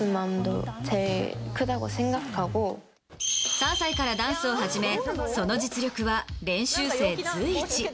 ３歳からダンスを始めその実力は練習生随一。